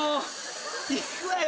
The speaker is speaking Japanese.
いくわよ。